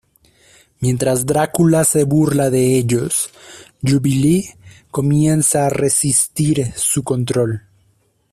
Mientras Drácula se burla de ellos, Jubilee comienza a resistir su control.